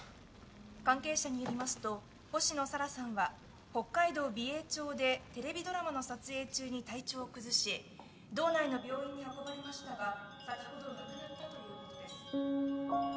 関係者によりますと星野沙羅さんは北海道美瑛町でテレビドラマの撮影中に体調を崩し道内の病院に運ばれましたが先ほど亡くなったということです。